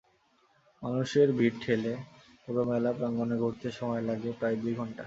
মানুষের ভিড় ঠেলে পুরো মেলা প্রাঙ্গণ ঘুরতে সময় লাগে প্রায় দুই ঘণ্টা।